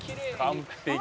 「完璧！」